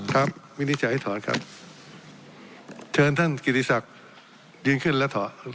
วินิจฉัยให้ถอนครับเชิญท่านกิติศักดิ์ยืนขึ้นแล้วถอน